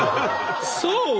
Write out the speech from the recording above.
そう！